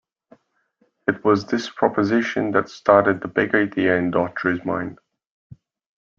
It was this proposition that started the big idea in Daughtry's mind.